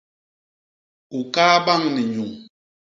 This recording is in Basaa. U kaa bañ ni nyuñ.